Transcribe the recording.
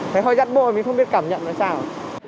thấy hơi rắt bội mình không biết cảm nhận là sao